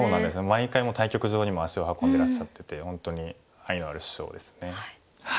毎回対局場にも足を運んでらっしゃってて本当に愛のある師匠ですね。